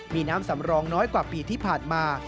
มีน้ำสำรองน้อยกว่าปีที่ผ่านมา